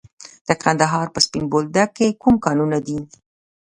د کندهار په سپین بولدک کې کوم کانونه دي؟